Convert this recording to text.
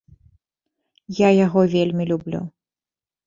Я яго вельмі люблю.